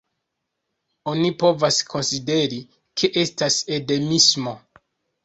Oni povas konsideri, ke estas endemismo.